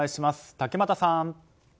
竹俣さん。